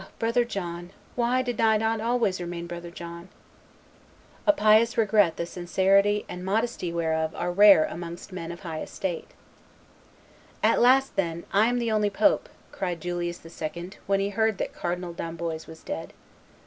Brother John, why did I not always remain Brother John!" A pious regret the sincerity and modesty whereof are rare amongst men of high estate. [Illustration: Cardinal d'Amboise 347] "At last, then, I am the only pope!" cried Julius II., when he heard that Cardinal d'Amboise was dead.